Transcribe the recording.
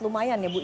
lumayan ya bu